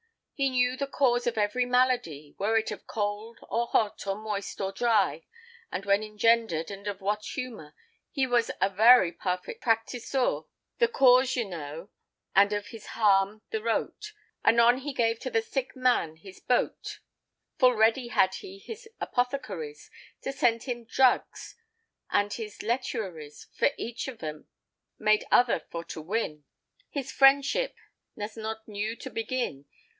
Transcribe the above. He knew the cause of every maladie, Were it of cold, or hote, or moist, or drie, And when engendred, and of what humour. He was a veray parfite practisour. The cause yknowe, and of his harm the rote, Anon he gave to the sike man his bote. Ful redy hadde he his apothecaries To send him dragges, and his lettuaries, For eche of hem made other for to winne: His frendship n' as not newe to beginne.